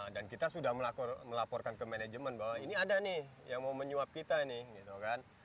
dan kita sudah melaporkan ke manajemen bahwa ini ada nih yang mau menyuap kita gitu kan